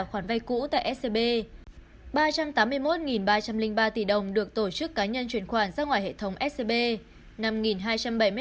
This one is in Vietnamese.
khoản vay cũ tại scb ba trăm tám mươi một ba trăm linh ba tỷ đồng được tổ chức cá nhân chuyển khoản ra ngoài hệ thống scb